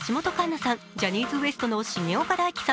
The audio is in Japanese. さん、ジャニーズＷＥＳＴの重岡大毅さん